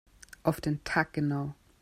Auf den Tag genau.